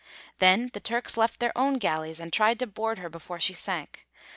Then the Turks left their own galleys and tried to board her before she sank.